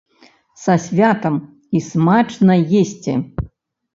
Са святам і смачна есці!!!